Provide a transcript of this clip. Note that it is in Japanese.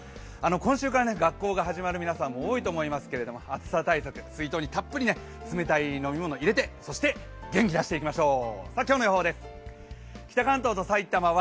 今週から学校が始まる皆さんも多いと思いますけれども、暑さ対策、水筒にたっぷり冷たい飲み物入れて、そして、元気出して行きましょう！